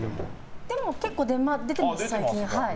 でも結構出てます、最近。